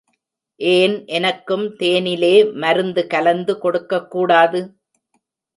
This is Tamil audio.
ஏன் எனக்கும் தேனிலே மருந்து கலந்து கொடுக்கக் கூடாது?